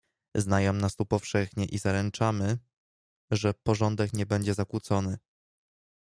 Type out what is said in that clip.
"Znają nas tu powszechnie i zaręczamy, że porządek nie będzie zakłócony."